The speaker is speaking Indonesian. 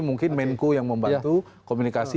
mungkin menko yang membantu komunikasi